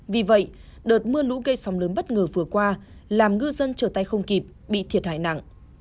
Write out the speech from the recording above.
vì vậy đợt mưa lũ gây sóng lớn bất ngờ vừa qua làm ngư dân trở tay không kịp bị thiệt hại nặng